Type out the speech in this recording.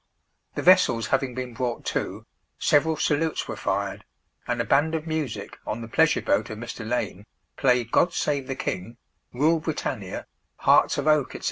The vessels having been brought to, several salutes were fired, and a band of music, on the pleasure boat of Mr. Lane, played "God save the King," "Rule Britannia," "Hearts of Oak," &c.